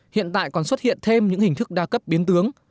hiện tại còn xuất hiện thêm những hình thức đa cấp biến tướng